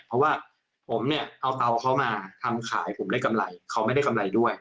เพราะว่าผมเนี่ยเอาเตาเขามาทำขายผมได้กำไรเขาไม่ได้กำไรด้วย